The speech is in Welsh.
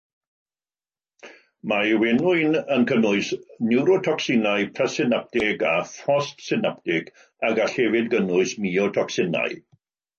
Mae ei wenwyn yn cynnwys niwrotocsinau presynaptig a phostsynaptig, a gall hefyd gynnwys myotocsinau.